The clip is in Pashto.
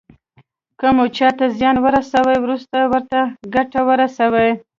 که مو چاته زیان ورساوه وروسته ورته ګټه ورسوئ.